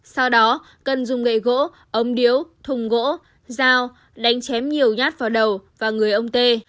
sau đó cần dùng nghề gỗ ống điếu thùng gỗ dao đánh chém nhiều nhát vào đầu và người ông tê